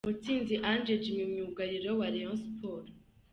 Mutsinzi Ange Jimmy myugariro wa Rayon Sports.